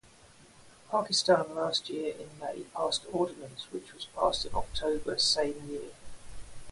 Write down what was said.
Pakistan last year in May passed ordinance which was passed in October same year.